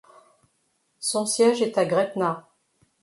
Son siège est à Gretna.